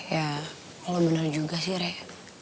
ya lo bener juga sih rai